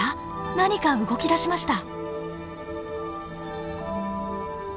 何か動き出しました。